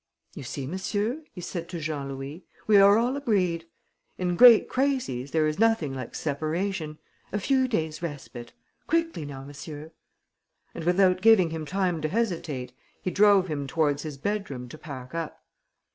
"You see, monsieur," he said to Jean Louis, "we are all agreed. In great crises, there is nothing like separation ... a few days' respite. Quickly now, monsieur." And, without giving him time to hesitate, he drove him towards his bedroom to pack up.